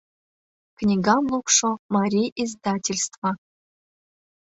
КНИГАМ ЛУКШО МАРИЙ ИЗДАТЕЛЬСТВО